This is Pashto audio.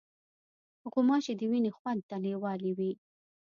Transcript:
غوماشې د وینې خوند ته لیوالې وي.